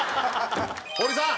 堀さん。